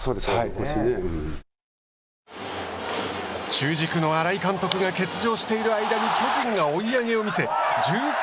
中軸の新井監督が欠場している間に巨人が追い上げを見せ１３